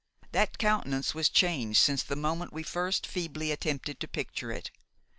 That countenance was changed since the moment we first feebly attempted to picture it.